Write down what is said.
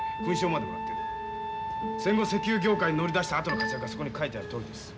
戦後石油業界に乗り出したあとの活躍はそこに書いてあるとおりです。